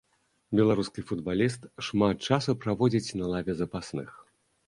Беларускі футбаліст шмат часу праводзіць на лаве запасных.